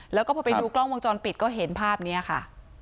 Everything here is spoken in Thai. แล้วก็พอไปดูกล้องวงจรปิดก็เห็นภาพนี้ค่ะ